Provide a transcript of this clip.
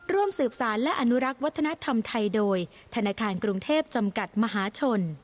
ร่วมสืบสารและอนุรักษ์วัฒนธรรมไทยโดยธนาคารกรุงเทพจำกัดมหาชน